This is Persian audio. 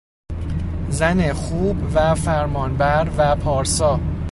زن خوب و فرمانبر و پارسا...